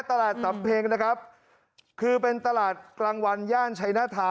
สำหรับสำเพ็งนะครับคือเป็นตลาดกลางวันย่านชัยนาธา